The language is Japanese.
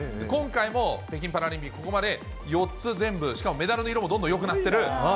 今回も、北京パラリンピック、ここまで４つ全部、しかもメダルの色もどんどんよくなってる。